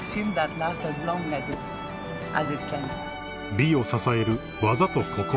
［美を支える技と心］